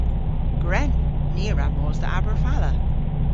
Gwren! Ni a wra mos dhe Aberfala.